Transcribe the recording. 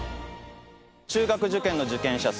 中学受験の受験者数